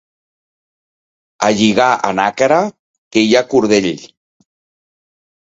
A lligar a Nàquera, que hi ha cordell!